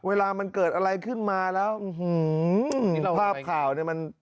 เวลามันเกิดอะไรขึ้นมาแล้วภาพข่าวเนี่ยมัน